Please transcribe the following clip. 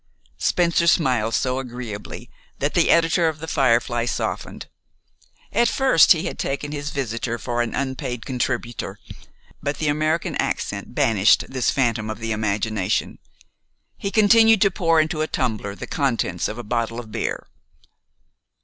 Spencer smiled so agreeably that the editor of "The Firefly" softened. At first, he had taken his visitor for an unpaid contributor; but the American accent banished this phantom of the imagination. He continued to pour into a tumbler the contents of a bottle of beer.